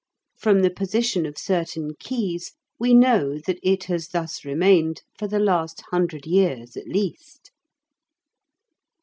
From the position of certain quays we know that it has thus remained for the last hundred years at least.